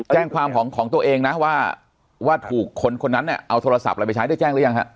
แจ้งความของตัวเองนะว่าถูกคนคนนั้นเนี่ยเอาโทรศัพท์อะไรไปใช้ได้แจ้งหรือยังฮะ